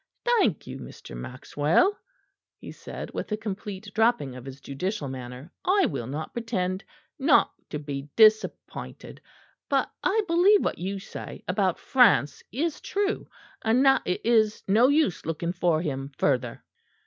"Thank you, Mr. Maxwell," he said, with a complete dropping of his judicial manner. "I will not pretend not to be disappointed; but I believe what you say about France is true; and that it is no use looking for him further."